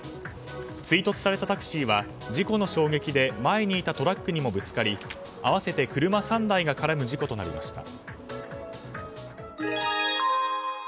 追突されたタクシーは事故の衝撃で前にいたトラックにもぶつかり合わせて車３台が絡む事故となりました。